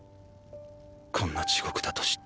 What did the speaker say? こんな地獄だと知っ